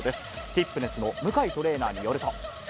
ティップネスの向井トレーナーによると。